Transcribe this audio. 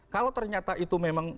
kalau ternyata itu memang